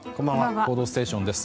「報道ステーション」です。